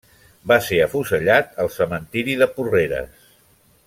Va ser afusellat al cementeri de Porreres.